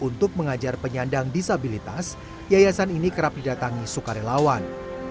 untuk mengajar penyandang disabilitas yayasan ini kerap didatangi sukarelawan